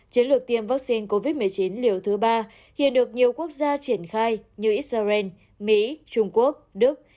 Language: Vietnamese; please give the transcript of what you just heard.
chiến lược tiêm vaccine covid một mươi chín liều thứ ba hiện được nhiều quốc gia triển khai như israel mỹ trung quốc đức